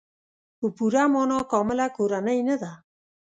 په پوره معنا کامله کورنۍ نه ده.